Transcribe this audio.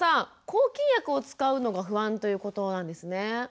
抗菌薬を使うのが不安ということなんですね。